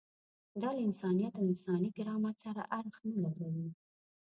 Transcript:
دا له انسانیت او انساني کرامت سره اړخ نه لګوي.